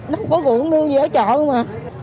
nó có vụn đưa về ở chợ không à